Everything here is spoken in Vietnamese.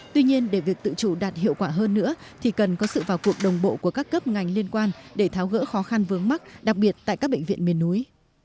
tuy nhiên để việc tự chủ đạt hiệu quả hơn nữa thì cần có sự vào cuộc đồng bộ của các cấp ngành liên quan để tháo gỡ khó khăn vướng mắt đặc biệt tại các bệnh viện miền núi